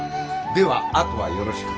ではあとはよろしく。